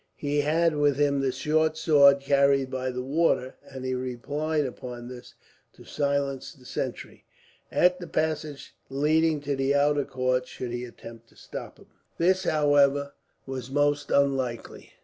He had with him the short sword carried by the warder, and he relied upon this to silence the sentry, at the passage leading to the outer court, should he attempt to stop him. This, however, was most unlikely.